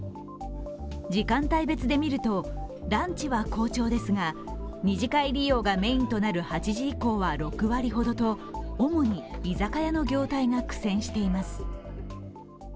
時間帯別で見るとランチは好調ですが二次会利用がメインとなる８時以降は６割ほどと主に居酒屋の業態が苦戦しています。